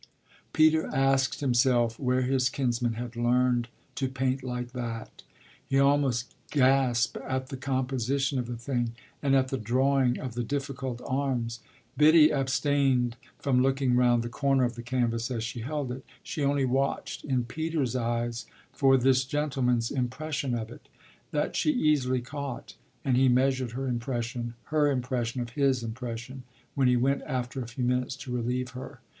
Peter asked himself where his kinsman had learned to paint like that. He almost gasped at the composition of the thing and at the drawing of the difficult arms. Biddy abstained from looking round the corner of the canvas as she held it; she only watched, in Peter's eyes, for this gentleman's impression of it. That she easily caught, and he measured her impression her impression of his impression when he went after a few minutes to relieve her.